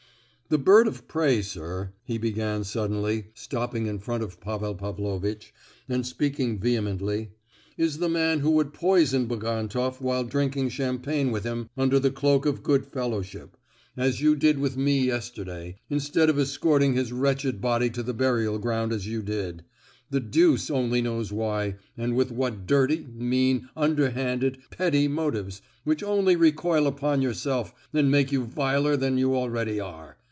"The bird of prey, sir," he began suddenly, stopping in front of Pavel Pavlovitch, and speaking vehemently, "is the man who would poison Bagantoff while drinking champagne with him under the cloak of goodfellowship, as you did with me yesterday, instead of escorting his wretched body to the burial ground as you did—the deuce only knows why, and with what dirty, mean, underhand, petty motives, which only recoil upon yourself and make you viler than you already are.